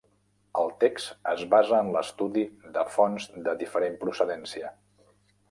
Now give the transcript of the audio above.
El text es basa en l'estudi de fonts de diferent procedència.